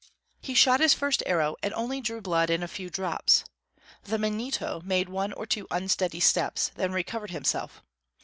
He shot his first arrow and only drew blood in a few drops. The Manito made one or two unsteady steps, then recovered himself.